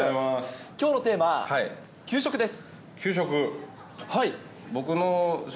きょうのテーマ、給食です。